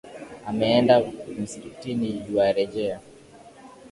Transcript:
Ameenda msikitini yuarejea.